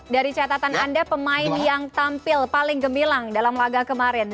dari catatan anda pemain yang tampil paling gemilang dalam laga kemarin